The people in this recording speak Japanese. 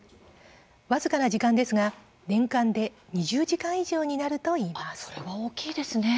僅かな時間ですが年間で２０時間以上になるといいます。